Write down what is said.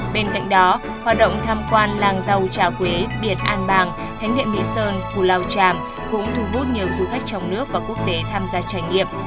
bên cạnh đó hoạt động tham quan làng râu trà quế biển an bàng thánh niệm mỹ sơn thủ lào tràm cũng thu hút nhiều du khách trong nước và quốc tế tham gia trải nghiệm